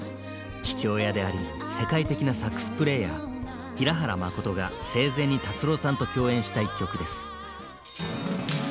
父親であり世界的なサックスプレーヤー平原まことが生前に達郎さんと共演した一曲です。